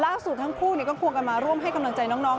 ทั้งคู่ก็ควงกันมาร่วมให้กำลังใจน้อง